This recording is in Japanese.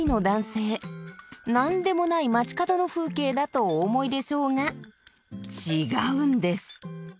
何でもない街角の風景だとお思いでしょうが違うんです。